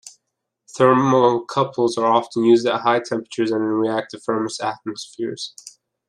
Thermocouples are often used at high temperatures and in reactive furnace atmospheres.